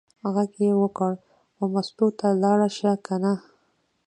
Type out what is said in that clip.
غږ یې وکړ: وه مستو ته لاړه شه کنه.